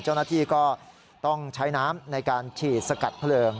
เจ้าหน้าที่ก็ต้องใช้น้ำในการฉีดสกัดเพลิง